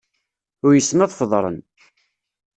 Uysen ad feḍren.